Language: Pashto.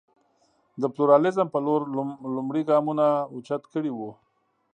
د پلورالېزم په لور لومړ ګامونه اوچت کړي وو.